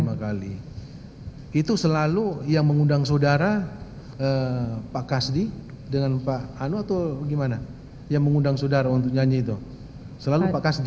lima kali itu selalu yang mengundang saudara pak kasdi dengan pak anu atau gimana yang mengundang saudara untuk nyanyi itu selalu pak kasdi